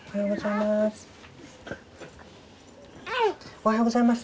おはようございます。